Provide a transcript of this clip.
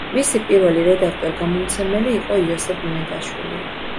მისი პირველი რედაქტორ-გამომცემელი იყო იოსებ იმედაშვილი.